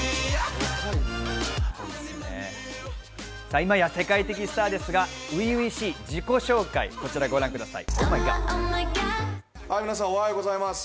いまや世界的スターですが、初々しい自己紹介、ご覧ください。